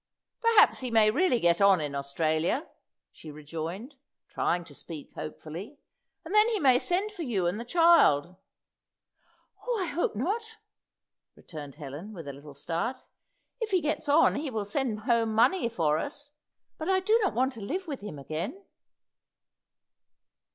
"Perhaps he may really get on in Australia," she rejoined, trying to speak hopefully; "and then he may send for you and the child." "Oh, I hope not!" returned Helen, with a little start. "If he gets on, he will send home money for us; but I do not want to live with him again."